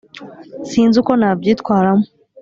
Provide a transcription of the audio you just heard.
sinzi uko nabyitwaramo.